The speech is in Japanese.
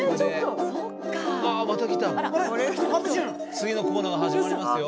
次のコーナーが始まりますよ。